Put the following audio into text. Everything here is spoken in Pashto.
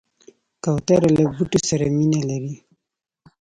کوتره له بوټو سره مینه لري.